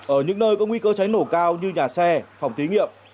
ở những nơi có nguy cơ cháy nổ cao như nhà xe phòng thí nghiệm